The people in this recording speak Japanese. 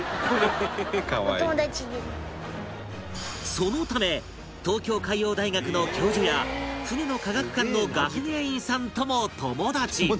そのため東京海洋大学の教授や船の科学館の学芸員さんとも友達